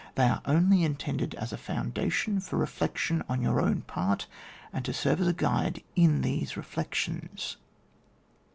They are only intended as a n)unda tion for reflection on your own part, and to serve as a guide in these reflec tions.